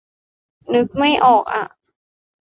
นึกไม่ออกอ่ะ